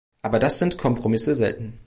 Aber das sind Kompromisse selten.